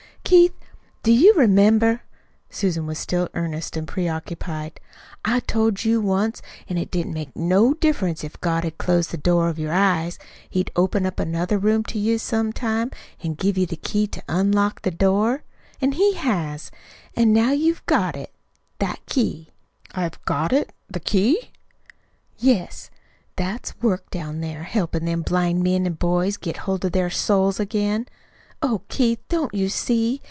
"Keith, do you remember?" Susan was still earnest and preoccupied. "I told you once that it didn't make no diff'rence if God had closed the door of your eyes. He'd open up another room to you sometime, an' give you the key to unlock the door. An' he has. An' now you've got it that key." "I've got it the key!" "Yes. It's that work down there helpin' them blind men an' boys to get hold of their souls again. Oh, Keith, don't you see?